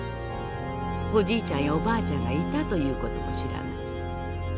おじいちゃんやおばあちゃんがいたという事も知らない。